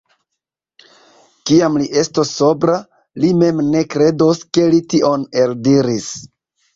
Kiam li estos sobra, li mem ne kredos, ke li tion eldiris.